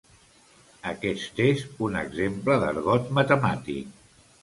Aquest és un exemple d'argot matemàtic.